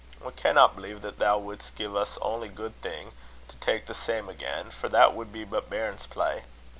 we canna believe that thou wouldst gie us ony guid thing, to tak' the same again; for that would be but bairns' play.